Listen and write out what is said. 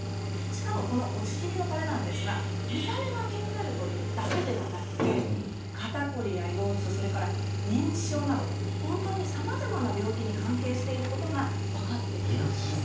しかも、お尻のたれは見た目が気になるというだけでなく、肩凝りや腰痛、認知症などさまざまな病気に関係していることが分かってきたんです。